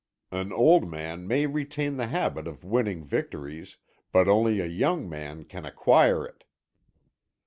An old man may retain the habit of winning victories, but only a young man can acquire it!"